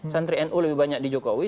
santri nu lebih banyak di jokowi